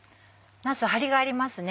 なす張りがありますね。